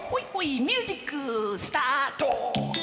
ミュージックスタート！